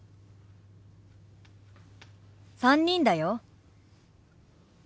３人だよ。